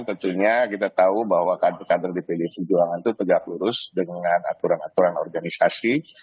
tentunya kita tahu bahwa kader kader di pdi perjuangan itu tegak lurus dengan aturan aturan organisasi